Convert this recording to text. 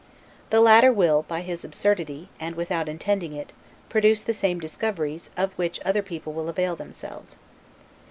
The latter will, by his absurdity, and without intending it, produce the same discoveries of which other people will avail themselves.